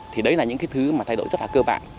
thì đấy là những cái thứ mà thay đổi rất là cơ bản